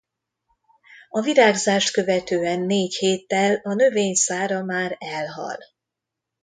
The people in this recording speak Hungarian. A virágzást követően négy héttel a növény szára már elhal.